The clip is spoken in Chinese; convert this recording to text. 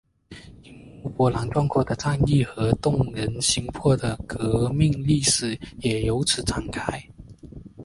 一幕幕波澜壮阔的战役和动人心魄的革命历史也由此展开。